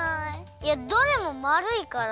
いやどれもまるいから。